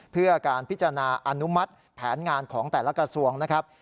เพื่อการพิจารณาอนุมัติแผนงานของแต่ละกระทรวงนะครับ